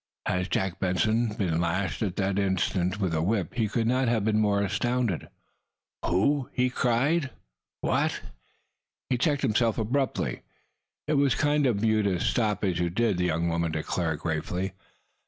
Had Jack Benson been lashed at that instant with a whip he could not have been more astounded. "Who?" he cried. "What? That in fam " He checked himself abruptly. "It was kind of you to stop as you did," the young woman declared, gratefully.